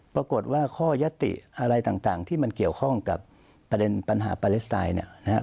ปรากฏว่าข้อยติอะไรต่างที่มันเกี่ยวข้องกับประเด็นปัญหาปาเลสไตน์เนี่ยนะครับ